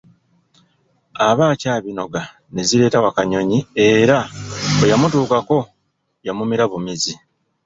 Aba akyabinoga ne zireeta Wakanyonyi era bwe yamutuukako yamumira bumizi.